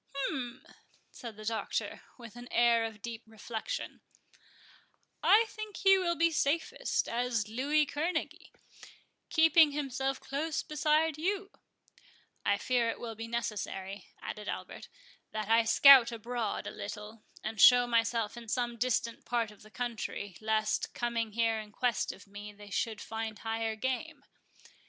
"Hum!" said the Doctor, with an air of deep reflection—"I think he will be safest as Louis Kerneguy, keeping himself close beside you"— "I fear it will be necessary," added Albert, "that I scout abroad a little, and show myself in some distant part of the country, lest, coming here in quest of me, they should find higher game."